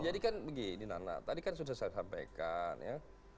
jadi kan begini nana tadi kan sudah saya sampaikan ya